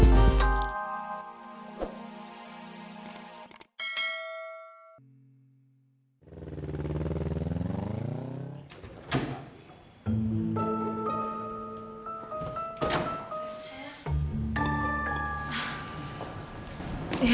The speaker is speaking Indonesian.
tunggu sebentar reva